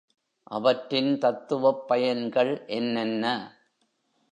அவற்றின் தத்துவப் பயன்கள் என்னென்ன?